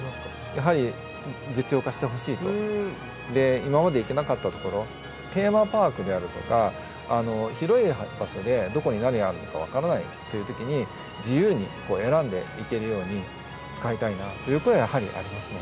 やはりで今まで行けなかったところテーマパークであるとか広い場所でどこに何があるのか分からないという時に自由に選んでいけるように使いたいなという声がやはりありますね。